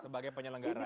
sebagai penyelenggara ya